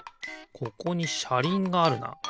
ここにしゃりんがあるな。